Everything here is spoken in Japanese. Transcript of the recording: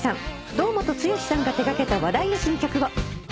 堂本剛さんが手がけた話題の新曲を。